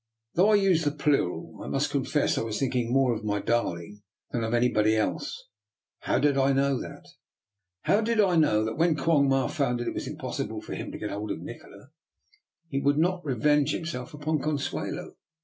Though I used the plural, I must confess I was thinking more of my darling than of anybody else. How did I know that, when Quong Ma found it was impossible for him to get hold of Nikola, he would not revenge himself upon Consuelo?